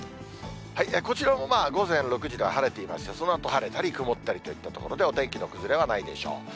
こちらもまあ、午前６時では晴れていまして、そのあと晴れたり曇ったりといったところで、お天気の崩れはないでしょう。